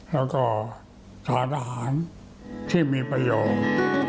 แล้วก็สาธารณ์ที่มีประโยค